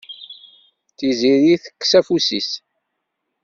Tiziri tekkes afus-is.